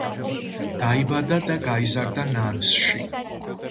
დაიბადა და გაიზარდა ნანსში.